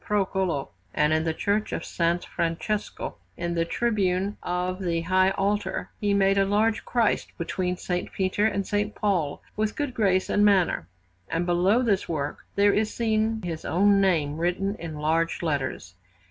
Procolo; and in the Church of S. Francesco, in the tribune of the high altar, he made a large Christ between S. Peter and S. Paul, with good grace and manner, and below this work there is seen his own name written in large letters.